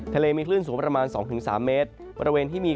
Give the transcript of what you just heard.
ทะเลมีคลื่นสูงประมาณ๒๓เมตร